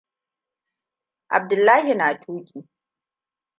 Abdullahi na tuki.